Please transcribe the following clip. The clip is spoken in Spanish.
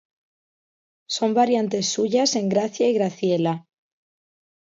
Son variantes suyas Engracia y Graciela.